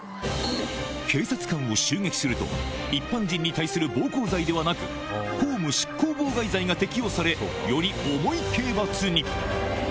警察官を襲撃すると、一般人に対する暴行罪ではなく、公務執行妨害罪が適用され、より重い刑罰に。